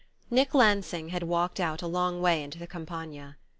NICK LANSING had walked out a long way into the Campagna.